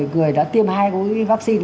người đã tiêm hai mối vắc xin